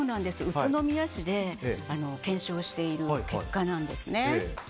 宇都宮市で検証している結果なんです。